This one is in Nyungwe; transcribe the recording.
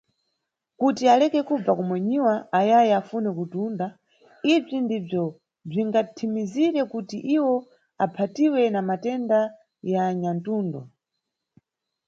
Kuti aleke kubva kumonyiwa ayayi afune kutunda, ibzi ndibzo bzingathimizire kuti iwo aphatiwe na matenda ya nyathundo.